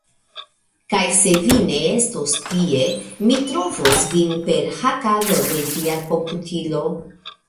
Kaj se vi ne estos tie mi trovos vin per hakado de via komputilo